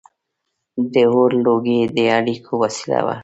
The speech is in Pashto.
• د اور لوګي د اړیکو وسیله وه.